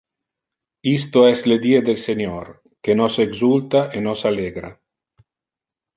Isto es le die del Senior: que nos exulta e nos allegra!